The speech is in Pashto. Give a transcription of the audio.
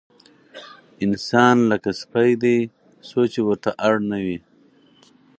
انسان لکه سپی دی، څو چې ورته اړ نه وي.